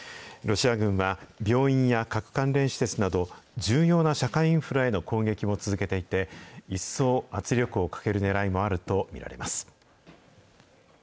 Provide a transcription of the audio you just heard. ロシア軍は、病院や核関連施設など、重要な社会インフラへの攻撃も続けていて、一層圧力をかけるねらいもあると見られます。